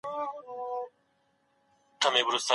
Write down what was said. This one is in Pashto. د ټولني علمي مطالعه به ګټوره وي.